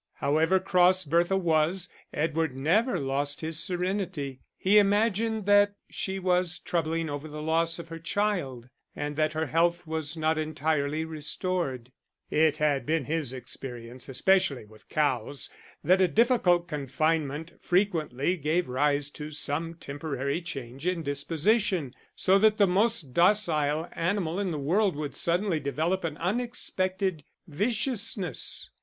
However cross Bertha was, Edward never lost his serenity. He imagined that she was troubling over the loss of her child, and that her health was not entirely restored: it had been his experience, especially with cows, that a difficult confinement frequently gave rise to some temporary change in disposition, so that the most docile animal in the world would suddenly develop an unexpected viciousness.